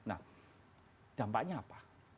nah dampaknya apa